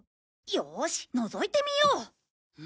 よーしのぞいてみよう。